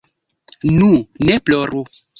Nu, ne ploru.